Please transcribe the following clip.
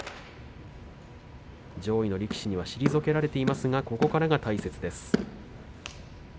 上位の力士には退けられていますがここからが大切です。